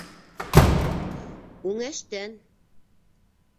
- Үңәштән!